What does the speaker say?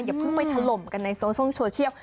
อย่าเพิ่งไปถล่มกันในโซเชียล